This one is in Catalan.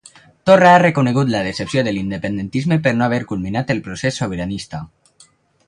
Torra ha reconegut la decepció de l'independentisme per no haver culminat el procés sobiranista.